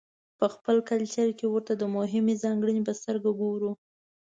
په خپل کلچر کې ورته د مهمې ځانګړنې په سترګه ګورو.